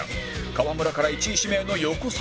川村から１位指名の横澤